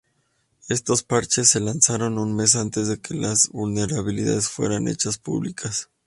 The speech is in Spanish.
Estos parches se lanzaron un mes antes de que las vulnerabilidades fueran hechas públicas.